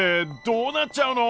どうなっちゃうの！？